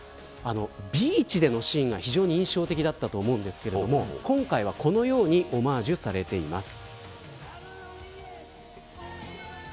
ビーチでのシーンが非常に印象的だったと思うんですけれども今回は、このようにオマージュされています。